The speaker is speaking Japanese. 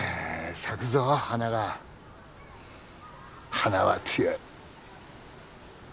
花は強い。